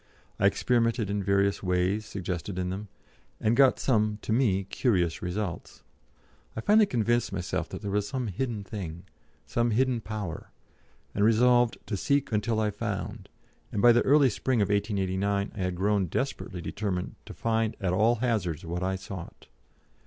I experimented in various ways suggested in them, and got some (to me) curious results. I finally convinced myself that there was some hidden thing, some hidden power, and resolved to seek until I found, and by the early spring of 1889 I had grown desperately determined to find at all hazards what I sought.